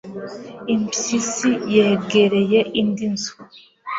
impyisi yegereye indi nzu